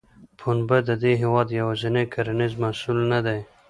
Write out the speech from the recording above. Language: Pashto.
پنبه د دې هېواد یوازینی کرنیز محصول نه دی.